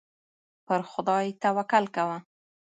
پر خدای توکل کوه.